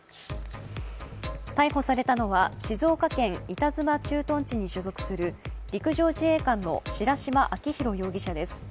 逮捕されたのは静岡県板妻駐屯地に所属する陸上自衛官の白島尭拓容疑者です。